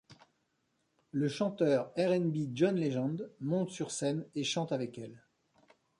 Le chanteur R'n'B John Legend monte sur scène et chante avec elle.